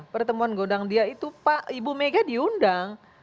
pertemuan gondang dia itu pak ibu mega diundang